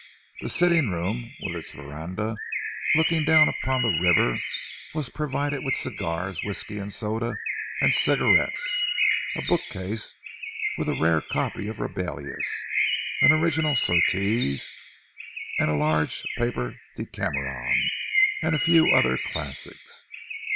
The sitting room, with its veranda looking down upon the river, was provided with cigars, whisky and soda and cigarettes; a bookcase, with a rare copy of Rabelais, an original Surtees, a large paper Decameron, and a few other classics.